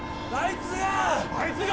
あいつが。